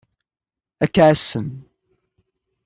Ad k-ɛassen.